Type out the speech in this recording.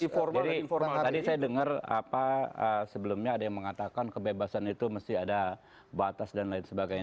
jadi tadi saya dengar apa sebelumnya ada yang mengatakan kebebasan itu mesti ada batas dan lain sebagainya